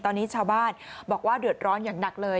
ตอนนี้ชาวบ้านบอกว่าเดือดร้อนอย่างหนักเลย